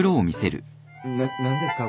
な何ですか？